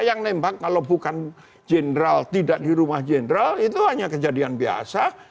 yang nembak kalau bukan jenderal tidak di rumah jenderal itu hanya kejadian biasa